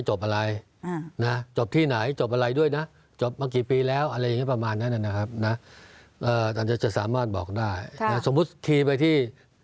เห็นตัวอย่างว่ามี